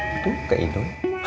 itu kayak idoy